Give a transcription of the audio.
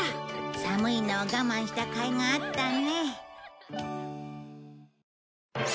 寒いのを我慢したかいがあったね。